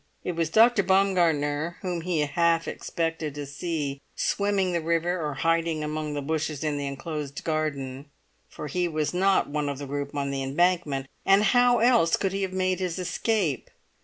It was Dr. Baumgartner whom he half expected to see swimming the river or hiding among the bushes in the enclosed garden; for he was not one of the group on the Embankment; and how else could he have made his escape?